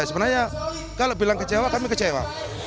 sebenarnya kalau bilang kecewa kami kecewa